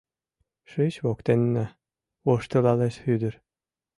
— Шич воктенна, — воштылалеш ӱдыр.